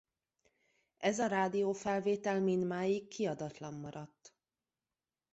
Ez a rádiófelvétel mindmáig kiadatlan maradt.